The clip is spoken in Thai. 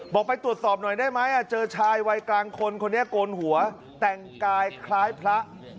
ไปตรวจสอบหน่อยได้ไหมเจอชายวัยกลางคนคนนี้โกนหัวแต่งกายคล้ายพระ